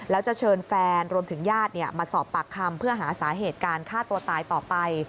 แล้วจะเชิญแฟนรวมถึงญาติมาสอบปากคำเพื่อหาสาเหตุการฆ่าตัวตายต่อไป